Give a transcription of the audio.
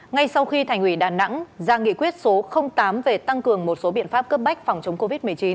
ngay sau khi thành ủy đà nẵng ra nghị quyết số tám về tăng cường một số biện pháp cấp bách phòng chống covid một mươi chín